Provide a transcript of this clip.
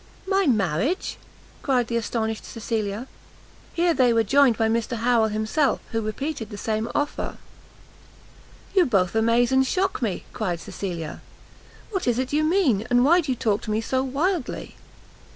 "My marriage!" cried the astonished Cecilia. Here they were joined by Mr Harrel himself, who repeated the same offer. "You both amaze and shock me!" cried Cecilia, "what is it you mean, and why do you talk to me so wildly?"